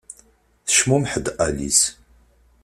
Tecmumeḥ-d Alice.